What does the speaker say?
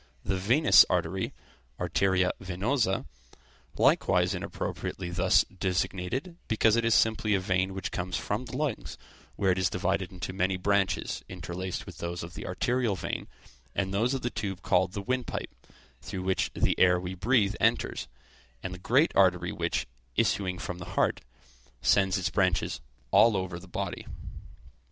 the venous artery (arteria venosa), likewise inappropriately thus designated, because it is simply a vein which comes from the lungs, where it is divided into many branches, interlaced with those of the arterial vein, and those of the tube called the windpipe, through which the air we breathe enters; and the great artery which, issuing from the heart, sends its branches all over the body.